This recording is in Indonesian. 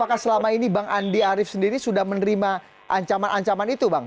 apakah selama ini bang andi arief sendiri sudah menerima ancaman ancaman itu bang